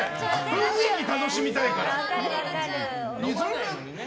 雰囲気、楽しみたいから。